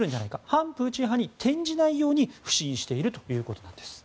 反プーチン派に転じないように腐心しているということなんです。